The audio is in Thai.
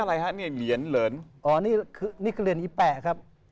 อะไรฮะนี่เหรียญเหลินอ๋อนี่นี่คือเหรียญอีแปะครับ